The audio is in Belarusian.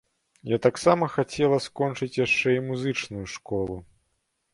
Я таксама хацела скончыць яшчэ і музычную школу.